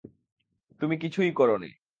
তুমি কিছুই করনি।